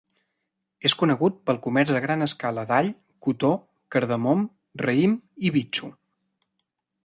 És conegut pel comerç a gran escala d'all, cotó, cardamom, raïm i bitxo.